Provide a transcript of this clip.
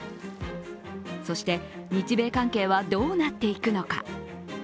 そして、日米関係はどうなっていくのか。